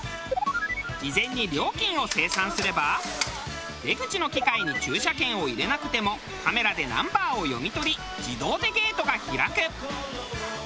事前に料金を精算すれば出口の機械に駐車券を入れなくてもカメラでナンバーを読み取り自動でゲートが開く。